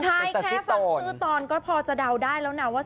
ใช่แค่ฟังชื่อตอนก็พอจะเดาได้แล้วนะว่า